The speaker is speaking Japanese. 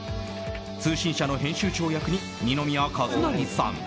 通信社の編集長役に二宮和也さん